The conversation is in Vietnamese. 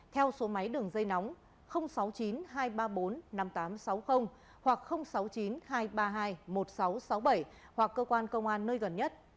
theo số máy đường dây nóng sáu mươi chín hai trăm ba mươi bốn năm nghìn tám trăm sáu mươi hoặc sáu mươi chín hai trăm ba mươi hai một nghìn sáu trăm sáu mươi bảy hoặc cơ quan công an nơi gần nhất